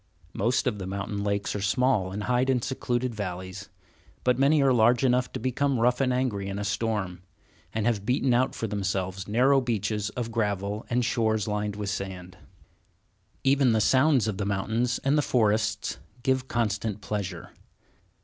Most of the mountain lakes are small, and hide in secluded valleys, but many are large enough to become rough and angry in a storm, and have beaten out for themselves narrow beaches of gravel and shores lined with sand. [Illustration: Emerald Lake and Mount Field.] Even the sounds of the mountains and the forests give constant pleasure.